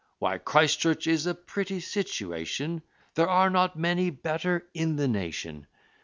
Why, Christ Church is a pretty situation, There are not many better in the nation!